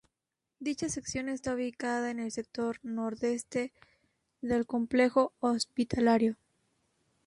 Dicha sección está ubicada en el sector nordeste del complejo hospitalario.